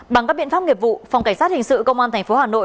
bằng các biện pháp nghiệp vụ phòng cảnh sát hình sự công an tp hà nội